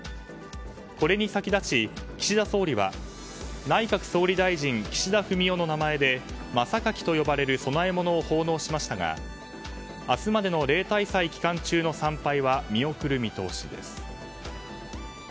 これに先立ち岸田総理は内閣総理大臣・岸田文雄の名前で真榊と呼ばれる供え物を奉納しましたが明日までの例大祭期間中の参拝は見送る見通しです。